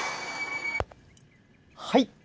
はい。